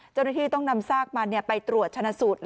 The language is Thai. เจ้าหน้าที่ต้องนำซากมันไปตรวจชนะสูตร